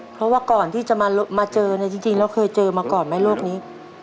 เพราะว่าก่อนที่จะมาเจอเนี่ยจริงแล้วเคยเจอมาก่อนไหมโรคนี้